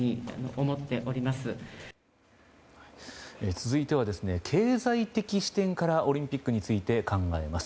続いては経済的視点からオリンピックについて考えます。